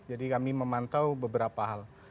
jadi kami memantau beberapa hal